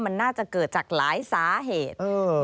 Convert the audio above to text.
มันน่าจะเกิดจากหลายสาเหตุ